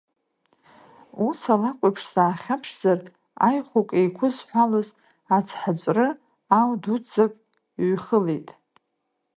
Ус, алакә еиԥш, саахьаԥшзар, аҩхәык еиқәызҳәалоз ацҳаҵәры ау дуӡӡак ҩхылеит.